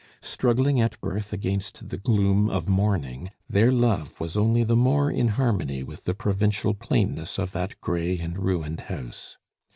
Struggling at birth against the gloom of mourning, their love was only the more in harmony with the provincial plainness of that gray and ruined house.